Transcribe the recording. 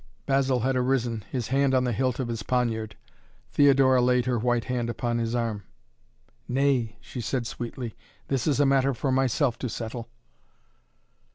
Basil had arisen, his hand on the hilt of his poniard. Theodora laid her white hand upon his arm. "Nay " she said sweetly, "this is a matter for myself to settle."